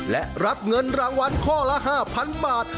และรับเงินรางวัลข้อละ๕๐๐๐บาท